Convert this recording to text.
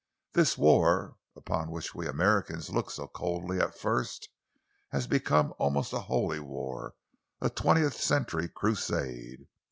This war, upon which we Americans looked so coldly at first, has become almost a holy war, a twentieth century crusade.